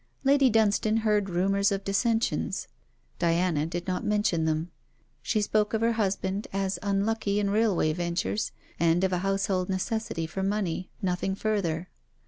Lady Dunstane heard rumours of dissensions. Diana did not mention them. She spoke of her husband as unlucky in railway ventures, and of a household necessity for money, nothing further.